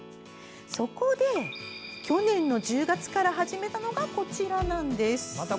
そこで去年１０月から始めたのがこちらなんです。